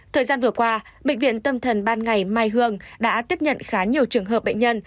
thời gian vừa qua bệnh viện tâm thần ban ngày mai hương đã tiếp nhận khá nhiều trường hợp bệnh nhân